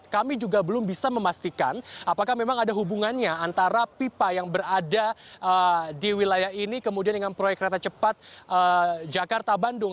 kami juga belum bisa memastikan apakah memang ada hubungannya antara pipa yang berada di wilayah ini kemudian dengan proyek kereta cepat jakarta bandung